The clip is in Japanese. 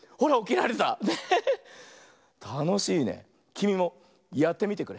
きみもやってみてくれ。